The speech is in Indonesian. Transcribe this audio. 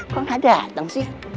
kok nggak datang sih